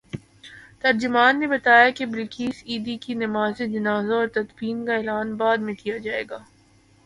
ترجمان نے بتایا کہ بلقیس ایدھی کی نمازجنازہ اورتدفین کا اعلان بعد میں کیا جائے گا۔